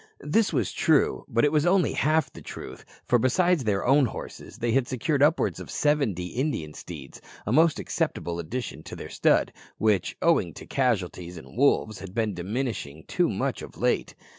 This was true, but it was only half the truth, for, besides their own horses, they had secured upwards of seventy Indian steeds; a most acceptable addition to their stud, which, owing to casualties and wolves, had been diminishing too much of late.